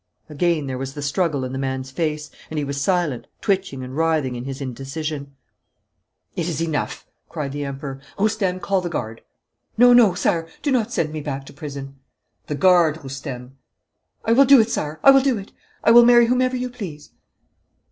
Again there was the struggle in the man's face, and he was silent, twitching and writhing in his indecision.' 'It is enough!' cried the Emperor. 'Roustem, call the guard!' 'No, no, sire, do not send me back to prison.' 'The guard, Roustem!' 'I will do it, sire! I will do it! I will marry whomever you please!'